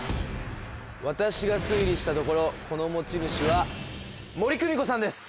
私が推理したところこの持ち主は森公美子さんです。